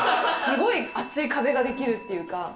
すごい厚い壁が出来るっていうか。